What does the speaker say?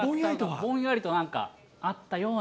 ぼんやりと、なんかあったような。